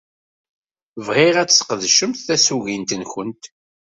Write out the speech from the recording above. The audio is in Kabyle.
Bɣiɣ ad tesqedcemt tasugint-nwent.